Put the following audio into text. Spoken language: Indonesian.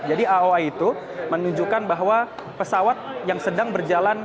jadi aoa itu menunjukkan bahwa pesawat yang sedang berjalan